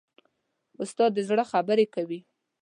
استاد د زړه خبرې کوي.